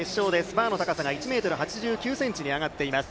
バーの高さが１ｍ８９ｃｍに上がっています。